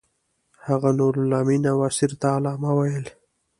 هغه نورالامین او اسیر ته علامه ویل.